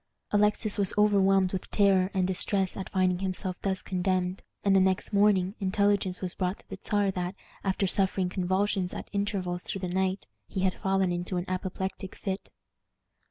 Alexis was overwhelmed with terror and distress at finding himself thus condemned; and the next morning intelligence was brought to the Czar that, after suffering convulsions at intervals through the night, he had fallen into an apoplectic fit.